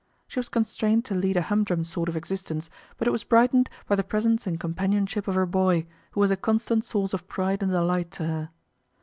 She was constrained to lead a humdrum sort of existence, but it was brightened by the presence and companionship of her boy, who was a constant source of pride and delight to her.